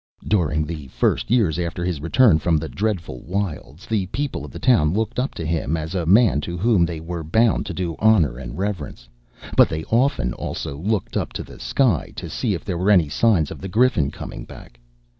During the first years after his return from the dreadful wilds, the people of the town looked up to him as a man to whom they were bound to do honor and reverence; but they often, also, looked up to the sky to see if there were any signs of the Griffin coming back.